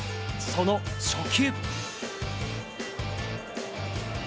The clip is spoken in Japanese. その初球。